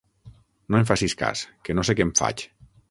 No en facis cas, que no sé què em faig.